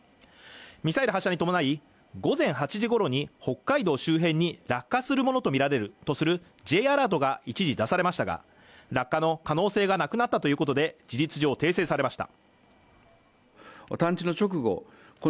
ミサイル発射に伴い、午前８時ごろに北海道周辺に落下するものとみられるとするＪアラートが一時出されましたが、落下の可能性がなくなったということで、事実上訂正されました。